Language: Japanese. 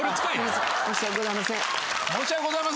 申し訳ございません。